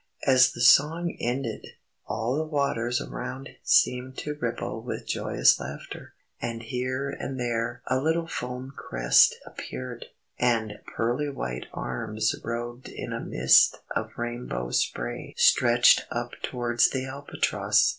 As the song ended, all the waters around seemed to ripple with joyous laughter. And here and there a little foam crest appeared, and pearly white arms robed in a mist of rainbow spray stretched up towards the Albatross.